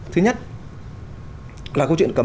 thứ nhất là câu chuyện cấm